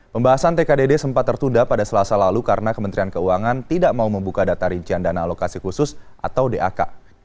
pembahasan tkdd sempat tertunda pada selasa lalu karena kementerian keuangan tidak mau membuka data rincian dana alokasi khusus atau dak